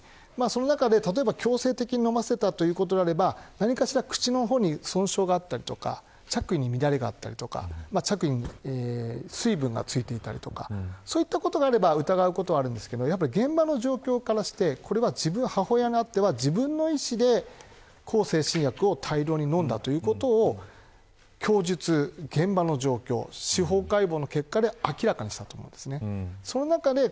その中で強制的に飲ませたということであれば何かしら口に損傷があったり着衣に乱れがあったり着衣に水分が付いていたりそういうことがあれば疑うことはありますが現場の状況からして自分の意思で向精神薬を大量に飲んだということを供述と現場の状況と司法解剖の結果で明らかにしたなと思うんです。